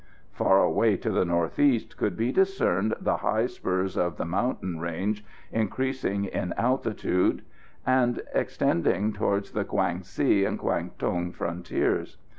Far away to the north east could be discerned the high spurs of the mountain range increasing in altitude, and extending towards the Kwang si and Kwang tung frontiers.